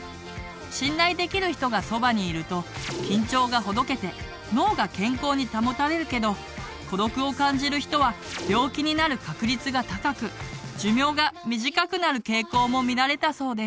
信頼できる人がそばにいると緊張がほどけて脳が健康に保たれるけど孤独を感じる人は病気になる確率が高く寿命が短くなる傾向も見られたそうです。